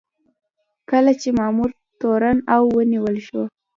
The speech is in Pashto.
کله چې مامور تورن او ونیول شي.